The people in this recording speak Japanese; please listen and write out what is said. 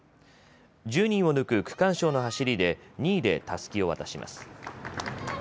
１０人を抜く区間賞の走りで２位でたすきを渡します。